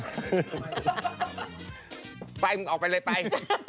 ให้ไม่่ไฟมึงออกไปเลยไป